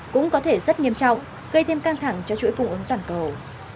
cũng có thể rất nghiêm trọng gây thêm căng thẳng cho chuỗi cung ứng toàn cầu